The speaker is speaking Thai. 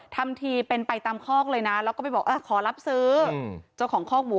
ทำทีเป็นไปตามคอกเลยนะแล้วก็ไปบอกขอรับซื้อเจ้าของคอกหมู